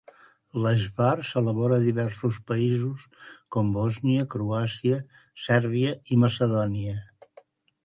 L'ajvar s'elabora a diversos països, com Bòsnia, Croàcia, Sèrbia i Macedònia.